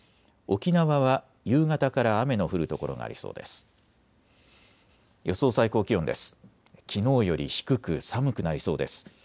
沖縄は夕方から雨の降る所がありそうです。